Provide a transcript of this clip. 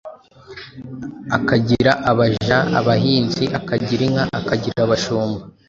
akagira abaja, abahinzi, akagira inka, akagira abashumba.